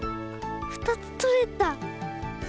２つとれた！